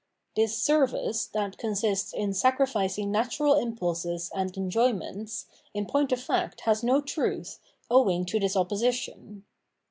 This service, that consists in sacrificing natural impulses and enjoyments, in point of fact has no truth, owing to this opposition.